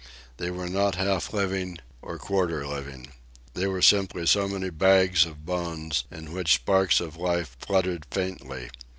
They were not half living, or quarter living. They were simply so many bags of bones in which sparks of life fluttered faintly.